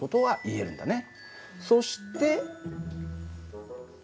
そして。